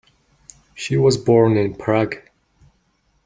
She was born in Prague.